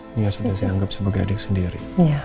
ini yang sudah saya anggap sebagai adik sendiri